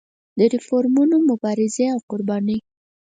د ریفورمونو مبارزې او قربانۍ.